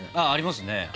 ああありますね。